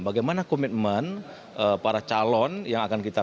bagaimana komitmen para calon yang akan kita